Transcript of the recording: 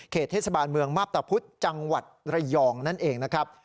เทศบาลเมืองมาพตะพุธจังหวัดระยองนั่นเองนะครับ